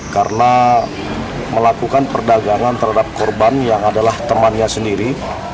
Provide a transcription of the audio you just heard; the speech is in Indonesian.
karena melakukan perdagangan terhadap korban yang adalah temannya sendiri